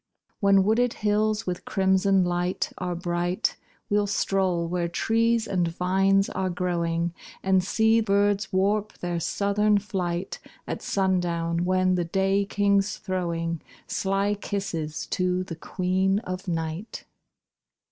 When wooded hills with crimson light Are bright, We'll stroll where trees and vines are growing, And see birds warp their southern flight At sundown, when the Day King's throwing Sly kisses to the Queen of Night.